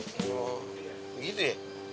oh gitu ya